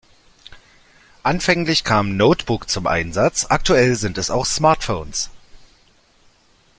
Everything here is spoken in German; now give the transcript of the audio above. Anfänglich kamen Notebook zum Einsatz; aktuell sind es auch Smartphones.